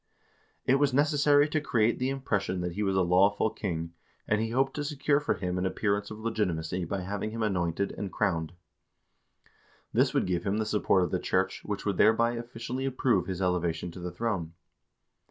It was necessary to create the impression that he was a lawful king, and he hoped to secure for him an appearance of legitimacy by having him anointed and crowned. This would give him the support of the church, which would thereby officially approve his elevation to the throne.